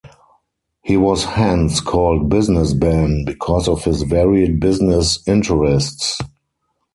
He was hence called "Business Ben" because of his varied business interests.